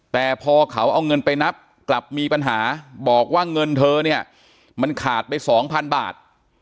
แต่พอเขาเอาเงินไปนับกลับมีปัญหาบอกว่าเงินเธอเนี่ยมันขาดไปสองพันบาท